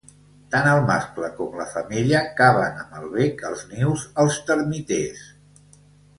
Tant el mascle com la femella caven amb el bec els nius als termiters.